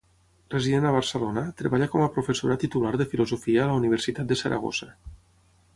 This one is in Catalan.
Resident a Barcelona, treballa com a professora titular de filosofia a la Universitat de Saragossa.